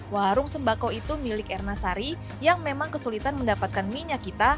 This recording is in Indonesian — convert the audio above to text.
warung sembako itu milik erna sari yang memang kesulitan mendapatkan minyak kita